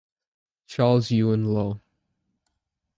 Charles Ewan Law.